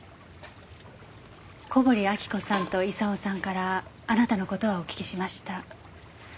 小堀明子さんと功さんからあなたの事はお聞きしました。